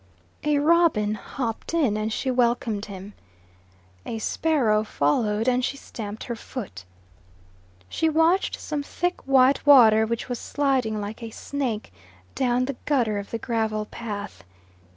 A robin hopped in and she welcomed him. A sparrow followed and she stamped her foot. She watched some thick white water which was sliding like a snake down the gutter of the gravel path.